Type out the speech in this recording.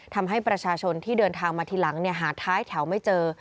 ทำให้ประชาชนที่เดินทางมาทีหลังหาท้ายแถวไม่เจอ